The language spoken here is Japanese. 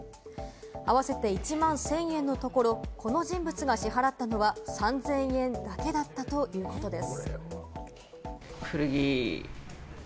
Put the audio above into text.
合わせて１万１０００円のところ、この人物が支払ったのは３０００円だけだったということです。